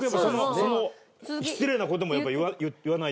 その失礼な事もやっぱ言わないと。